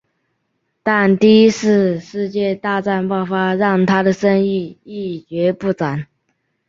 但第一次世界大战爆发让他的生意一蹶不振。